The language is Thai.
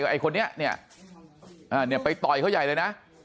ไอ้คนนี้เนี่ยไปต่อยเขาใหญ่เลยนะ